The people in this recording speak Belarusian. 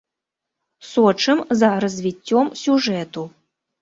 Сочым за развіццём сюжэту.